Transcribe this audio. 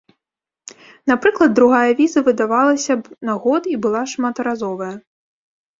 Напрыклад, другая віза выдавалася б на год і была шматразовая.